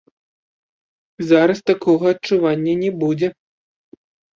Зараз такога адчування не будзе.